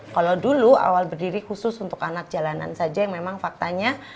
kalau dulu awal berdiri khusus untuk anak jalanan saja yang memang faktanya